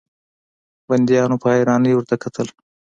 بنديانو په حيرانۍ ورته کتل.